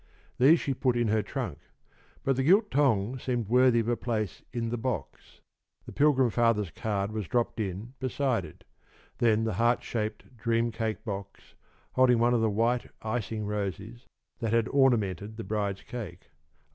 These she put in her trunk, but the gilt tongs seemed worthy of a place in the box. The Pilgrim Father's card was dropped in beside it, then the heart shaped dream cake box, holding one of the white icing roses that had ornamented the bride's cake.